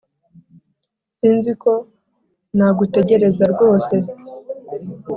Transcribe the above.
Sinziko nagutegereza rwose